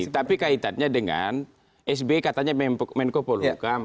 tapi kaitannya dengan sby katanya menko polhukam